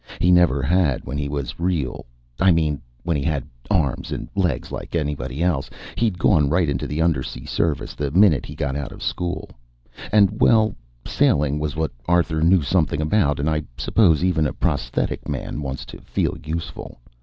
He never had when he was real I mean when he had arms and legs like anybody else. He'd gone right into the undersea service the minute he got out of school. And well, sailing was what Arthur knew something about and I suppose even a prosthetic man wants to feel useful.